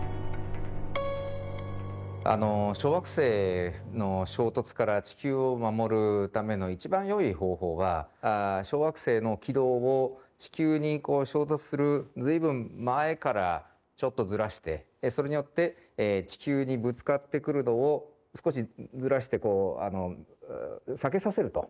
小惑星の衝突から地球を守るための一番良い方法は小惑星の軌道を地球に衝突する随分前からちょっとずらしてそれによって地球にぶつかってくるのを少しずらして避けさせると。